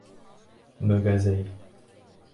Мөгәзәй.